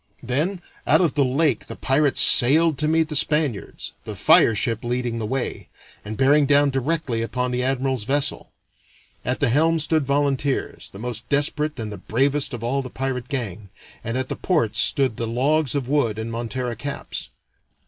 Then out of the lake the pirates sailed to meet the Spaniards, the fire ship leading the way, and bearing down directly upon the admiral's vessel. At the helm stood volunteers, the most desperate and the bravest of all the pirate gang, and at the ports stood the logs of wood in montera caps.